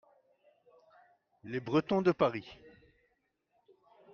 Les Bretons de Paris.